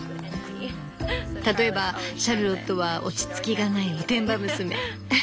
例えばシャルロットは落ち着きがないおてんば娘。